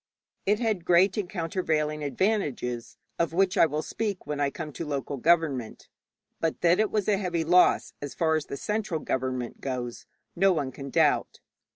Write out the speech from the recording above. It had great and countervailing advantages, of which I will speak when I come to local government, but that it was a heavy loss as far as the central government goes no one can doubt.